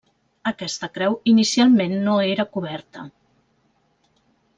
Aquesta creu inicialment no era coberta.